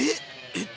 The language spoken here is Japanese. えっ？